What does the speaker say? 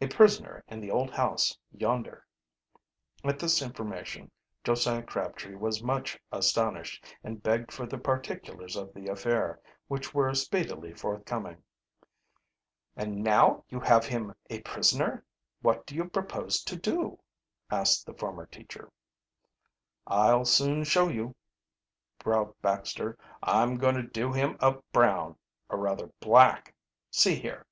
"A prisoner in the old house yonder." At this information Josiah Crabtree was much astonished, and begged for the particulars of the affair, which were speedily forthcoming. "And now you have him a prisoner, what do you propose to do?" asked the former teacher. "I'll soon show you," growled Baxter. "I'm going to do him up brown or rather, black. See here."